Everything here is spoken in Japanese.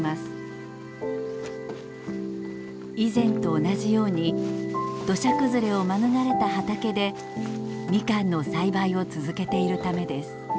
以前と同じように土砂崩れを免れた畑でみかんの栽培を続けているためです。